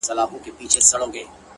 زه مي له ژونده په اووه قرآنه کرکه لرم!